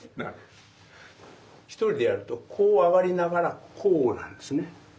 １人でやるとこう上がりながらこうなんですね。